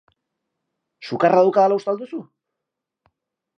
Sukarra daukadala uste al duzu?